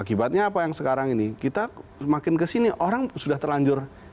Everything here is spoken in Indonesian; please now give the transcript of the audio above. akibatnya apa yang sekarang ini kita semakin kesini orang sudah terlanjur